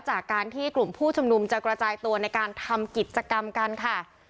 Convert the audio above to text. จากการที่กลุ่มผู้ชุมนุมจะกระจายตัวในการทำกิจกรรมกันค่ะ